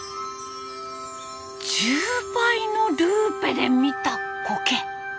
１０倍のルーペで見たコケ！